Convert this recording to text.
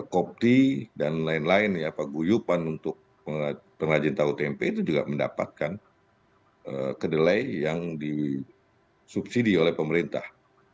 kopi dan lain lain ya paguyupan untuk pengrajin tahu tempe itu juga mendapatkan kedelai yang disubsidi oleh pemerintah